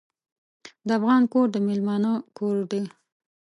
د افغان کور د میلمانه کور دی.